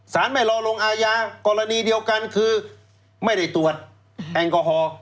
ไม่รอลงอาญากรณีเดียวกันคือไม่ได้ตรวจแอลกอฮอล์